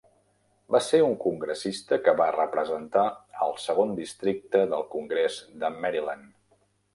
Va ser un congressista que va representar el segon districte del congrés de Maryland.